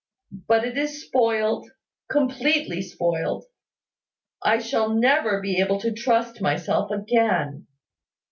But it is spoiled completely spoiled. I shall never be able to trust myself again.